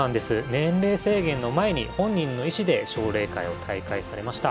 年齢制限の前に本人の意志で奨励会を退会されました。